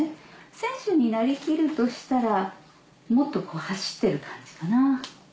選手になりきるとしたらもっと走ってる感じかな？